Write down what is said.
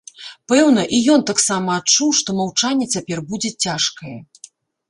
Пэўна, і ён таксама адчуў, што маўчанне цяпер будзе цяжкае.